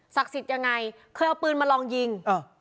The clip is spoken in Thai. สิทธิ์ยังไงเคยเอาปืนมาลองยิง